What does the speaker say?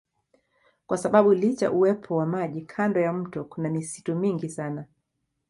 Kwa sababu licha uwepo wa maji kando ya mto kuna misitu mingi sana